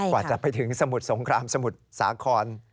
กว่าจะไปถึงสมุทรสงครามสมุทรสาคร